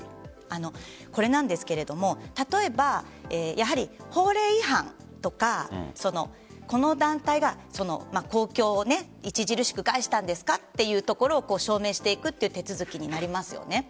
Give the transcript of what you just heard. これなんですが、例えば法令違反とかこの団体が公共を著しく害したんですかというところを証明していくという手続きになりますよね。